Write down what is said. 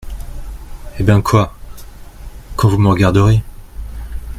Eh ben, quoi ? quand vous me regarderez !…